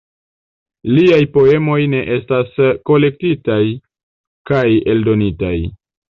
Liaj poemoj ne estas kolektitaj kaj eldonitaj.